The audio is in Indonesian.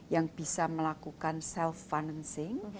yang bisa melakukan self financing